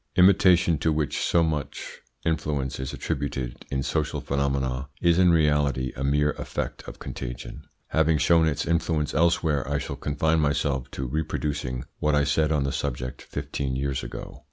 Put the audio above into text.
Imitation, to which so much influence is attributed in social phenomena, is in reality a mere effect of contagion. Having shown its influence elsewhere, I shall confine myself to reproducing what I said on the subject fifteen years ago.